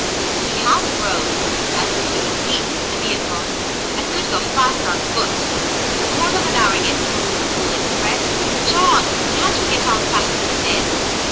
He half rose as if he would leap from the vehicle. "I could go faster on foot. 296 The Mountain Girl There's a quarter of an hour yet before the Liverpool express. John, can't we get on faster than this?"